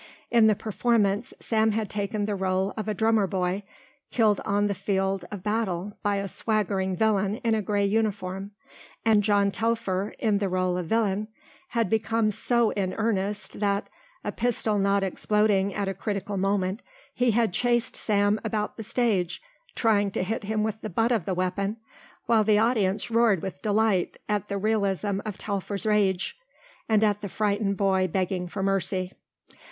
In the performance Sam had taken the rôle of a drummer boy killed on the field of battle by a swaggering villain in a grey uniform, and John Telfer, in the rôle of villain, had become so in earnest that, a pistol not exploding at a critical moment, he had chased Sam about the stage trying to hit him with the butt of the weapon while the audience roared with delight at the realism of Telfer's rage and at the frightened boy begging for mercy.